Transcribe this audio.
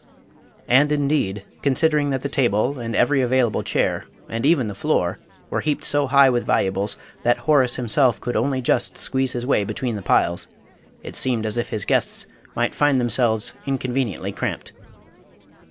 And, indeed, considering that the table and every available chair, and even the floor, were heaped so high with valuables that Horace himself could only just squeeze his way between the piles, it seemed as if his guests might find themselves inconveniently cramped.